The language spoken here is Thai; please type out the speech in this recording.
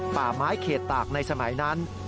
ป่าไม้เขตตากในสมัยนั้น